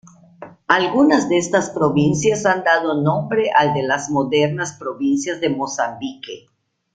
Algunas de estas provincias han dado nombre al de las modernas provincias de Mozambique.